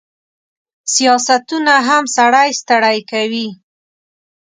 سیاستونه هم سړی ستړی کوي.